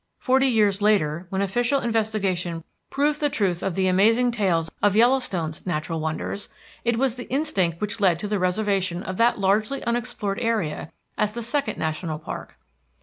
Forty years later, when official investigation proved the truth of the amazing tales of Yellowstone's natural wonders, it was the instinct which led to the reservation of that largely unexplored area as the second national park.